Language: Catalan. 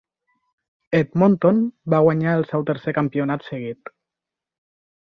Edmonton va guanyar el seu tercer campionat seguit.